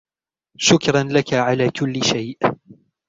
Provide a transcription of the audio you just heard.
شکراً لك علی کل شيء.